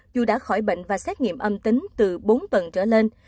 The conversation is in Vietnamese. dù đã khỏi bệnh và xét nghiệm âm tính từ bốn tuần trở lên